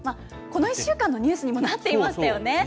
この１週間のニュースにもなっていましたよね。